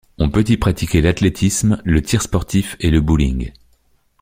On peut y pratiquer l'athlétisme, le tir sportif et le bowling.